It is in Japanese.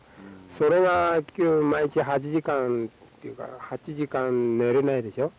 それが毎日８時間っていうか８時間寝れないでしょ。